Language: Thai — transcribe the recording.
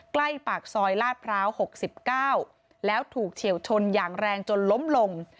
ใกล้ปากซอยลาดพร้าว๖๙แล้วถูกเฉียวชนอย่างแรงจนล้มลง